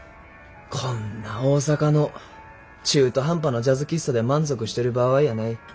こんな大阪の中途半端なジャズ喫茶で満足してる場合やない。